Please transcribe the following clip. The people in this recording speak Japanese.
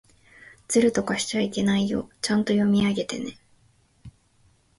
ずるとかしちゃいけないよ。ちゃんと読み上げてね。